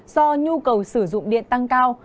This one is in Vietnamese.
do nhu cầu sử dụng điện tăng cao